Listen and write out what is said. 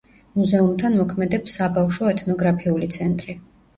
მუზეუმთან მოქმედებს „საბავშვო ეთნოგრაფიული ცენტრი“.